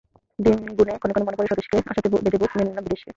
দিন গুনে ক্ষণে ক্ষণে মনে পড়ে স্বদেশকে, আশাতে বেঁধে বুক মেনে নিলাম বিদেশকে।